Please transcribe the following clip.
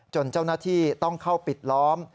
เจ้าหน้าที่ต้องเข้าปิดล้อม